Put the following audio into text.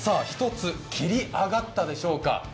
１つ切り上がったでしょうか。